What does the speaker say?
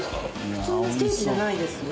普通のステーキじゃないですね。